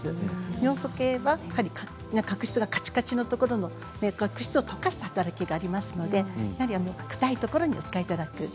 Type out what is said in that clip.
尿素系は角質がかちかちのところに角質を溶かす働きがありますので硬いところに使ってください。